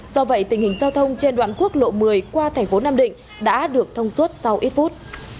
do vậy tình hình giao thông trên đoạn quốc lộ một mươi qua thành phố nam định đã được thông suốt sau ít phút